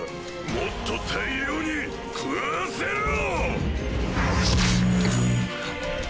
もっと大量に食わせろ！